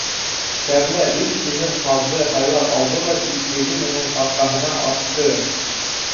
Кәрлә өс һимеҙ ҡаҙҙы һайлап алды ла ситлеге менән арҡаһына аҫты.